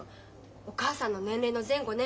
お母さんの年齢の前後ね。